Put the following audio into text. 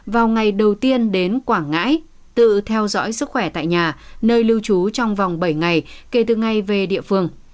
vào ngày đầu tiên đến quảng ngãi tự theo dõi sức khỏe tại nhà nơi lưu trú trong vòng bảy ngày kể từ ngày về địa phương